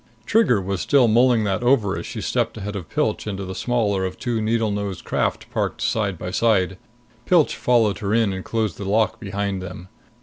Trigger was still mulling that over as she stepped ahead of Pilch into the smaller of two needle nosed craft parked side by side. Pilch followed her in and closed the lock behind them.